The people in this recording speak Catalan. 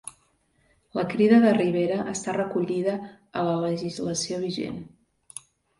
La crida de Rivera està recollida a la legislació vigent